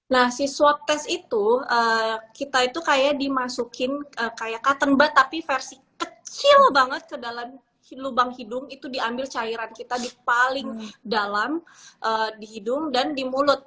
nah si swab test itu kita itu kayak dimasukin kayak cotton but tapi versi kecil banget ke dalam lubang hidung itu diambil cairan kita di paling dalam di hidung dan di mulut